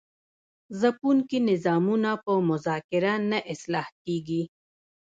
ځپونکي نظامونه په مذاکره نه اصلاح کیږي.